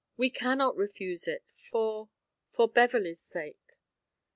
We can not refuse it for for Beverley's sake."